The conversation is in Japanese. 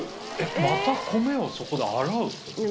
また米をそこで洗う。